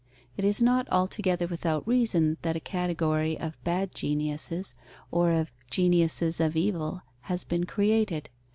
It is not altogether without reason that a category of bad geniuses or of geniuses of evil has been created.